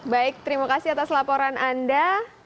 baik terima kasih atas laporan anda